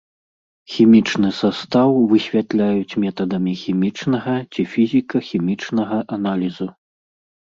Хімічны састаў высвятляюць метадамі хімічнага ці фізіка-хімічнага аналізу.